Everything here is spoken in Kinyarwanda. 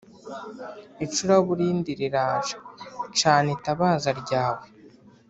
Icuraburindi riraje cana itabaza ryawe